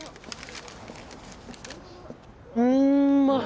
うんまっ！